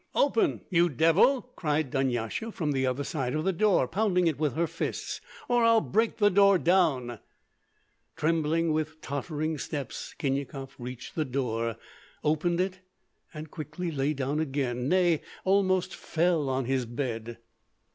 "Open, you devil!" cried Dunyasha from the other side of the door, pounding it with her fists. "Or I'll break the door down!" Trembling with tottering steps, Khinyakov reached the door, opened it, and quickly lay down again, nay almost fell, on his bed.